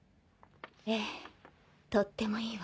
ええとってもいいわ。